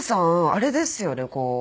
あれですよね？